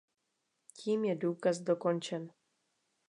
Tím je důkaz dokončen.